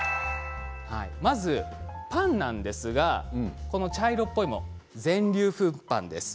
まずパンなんですが茶色っぽいもの全粒粉パンです。